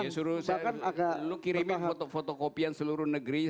dia suruh saya kirim fotokopian seluruh negeri